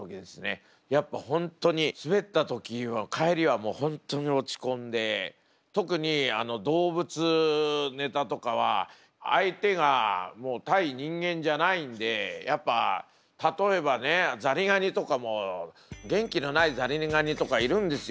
やっぱ本当に滑った時は帰りは本当に落ちこんで特に動物ネタとかは相手が対人間じゃないんでやっぱ例えばねザリガニとかも元気のないザリガニとかいるんですよ。